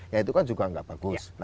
ya itu kan juga nggak bagus